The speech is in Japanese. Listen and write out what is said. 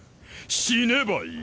死ねばいい。